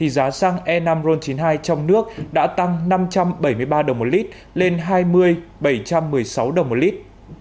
giá xăng e năm ron chín mươi hai trong nước đã tăng năm trăm bảy mươi ba đồng một lít lên hai mươi bảy trăm một mươi sáu đồng một lít